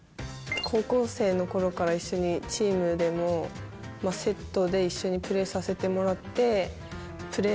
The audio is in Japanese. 高校生の頃から一緒にチームでもセットで一緒にプレーさせてもらって。